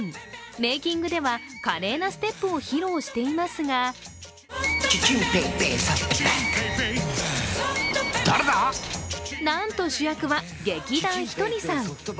メイキングでは華麗なステップを披露していますがなんと主役は、劇団ひとりさん。